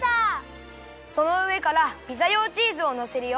そのうえからピザ用チーズをのせるよ。